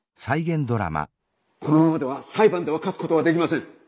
このままでは裁判では勝つことはできません。